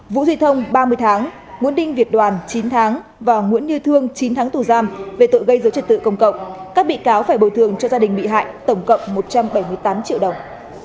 vũ duy thông ba mươi tháng nguyễn đinh việt đoàn chín tháng và nguyễn như thương chín tháng tù giam về tội gây dối trật tự công cộng các bị cáo phải bồi thường cho gia đình bị hại tổng cộng một trăm bảy mươi tám triệu đồng